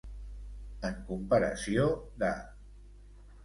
En comparació de.